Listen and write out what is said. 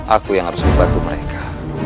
aku yang harus membantu mereka